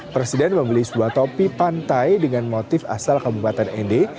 presiden membeli sebuah topi pantai dengan motif asal kabupaten nd